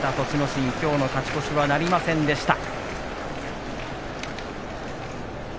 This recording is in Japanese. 心きょうの勝ち越しはなりませんでした。